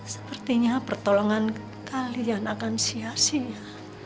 sepertinya pertolongan kalian akan sia sia